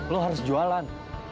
lu harus jualan